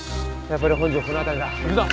やっぱり本庄この辺りだ。